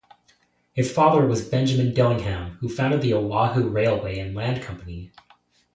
His father was Benjamin Dillingham who founded the Oahu Railway and Land Company.